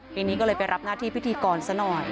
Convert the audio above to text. ปีนี้ก็เลยไปรับหน้าที่พิธีกรซะหน่อย